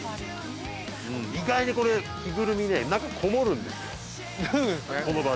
意外にこれ、着ぐるみね、中こもるんですよ。